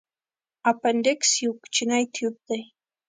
اپنډکس یو کوچنی تیوب دی.